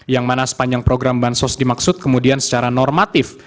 yang mana sepanjang program bansos dimaksud kemudian secara normatif